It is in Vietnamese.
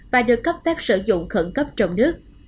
và được cấp phép sử dụng khẩn cấp trong nước